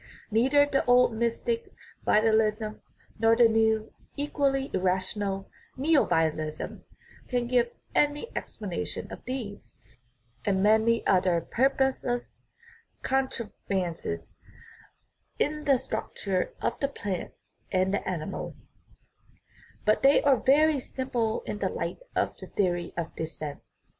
Neither the old mystic vitalism nor the new, equally irrational, neovitalism can give any explanation of these and many other purposeless contrivances in the structure of the plant and the animal ; but they are very simple in the light of the theory of descent.